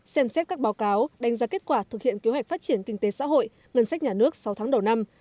xem xét các báo cáo đánh giá kết quả thực hiện kế hoạch phát triển kinh tế xã hội ngân sách nhà nước sáu tháng đầu năm